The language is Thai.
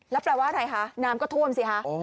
แล้วแปลว่าอะไรคะน้ำก็ท่วมสิคะ